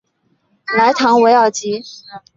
莱唐韦尔吉。